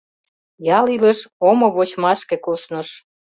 Ял илыш омо вочмашке кусныш.